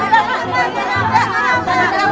bang rijal mak